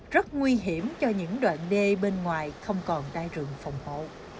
rất nguy hiểm cho những đoạn đê bên ngoài không còn đai rừng phòng hộ